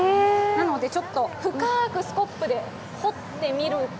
なので、深くスコップで掘ってみると